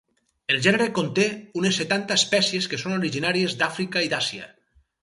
El gènere conté unes setanta espècies que són originàries d'Àfrica i d'Àsia.